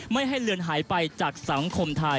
ไม่ให้เลือนหายไปจากสังคมไทย